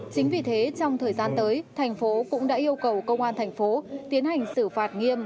chính vì thế trong thời gian tới thành phố cũng đã yêu cầu công an thành phố tiến hành xử phạt nghiêm